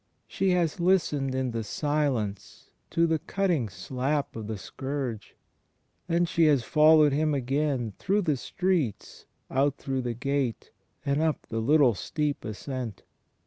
She has listened in the silence to the cutting slap of the scourge. ... Then she has followed Him again, through the streets, out through the gate, and up the little steep ascent.